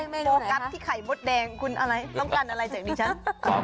มันกำลังโปรกัสที่ไข่มดแดงคุณอะไรต้องการอะไรจากดิฉัน